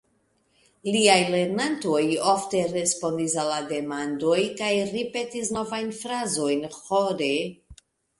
Liaj lernantoj ofte respondis al la demandoj kaj ripetis novajn frazojn ĥore.